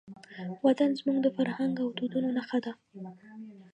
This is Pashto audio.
وطن زموږ د فرهنګ او دودونو نښه ده.